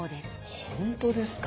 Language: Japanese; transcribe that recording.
ほんとですか？